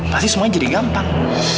pasti semuanya jadi gampang